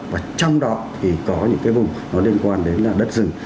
và trong đó thì có những cái vùng nó liên quan đến là đất rừng